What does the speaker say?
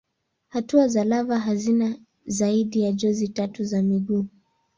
Hatua za lava hazina zaidi ya jozi tatu za miguu.